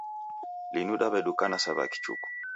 Linu daw'edukana sa w'akichuku